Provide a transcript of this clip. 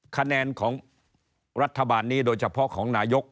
คะแนนของรัฐบาลนี้โดยเฉพาะของนายก